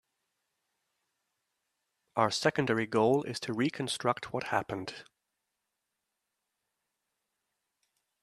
Our secondary goal is to reconstruct what happened.